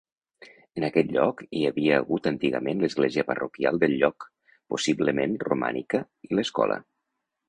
En aquest lloc hi havia hagut antigament l'església parroquial del lloc, possiblement romànica, i l'escola.